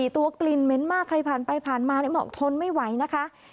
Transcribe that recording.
ตัวกลิ่นเหม็นมากใครผ่านไปผ่านมาบอกทนไม่ไหวนะคะ